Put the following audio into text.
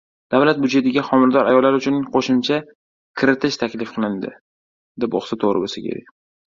Davlat byudjetiga homilador ayollar uchun qo‘shimcha qiritish taklif qilindi